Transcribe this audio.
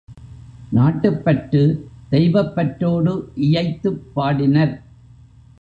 நாட்டுப் பற்று தெய்வப் பற்றோடு இயைத்துப் பாடினர்.